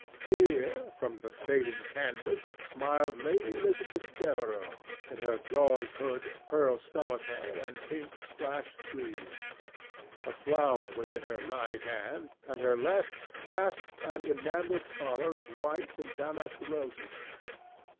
Here, from the fading canvas, smiled Lady Elizabeth Devereux, in her gauze hood, pearl stomacher, and pink slashed sleeves. A flower was in her right hand, and her left clasped an enamelled collar of white and damask roses.